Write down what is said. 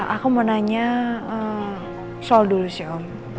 aku mau nanya soal dulu sih om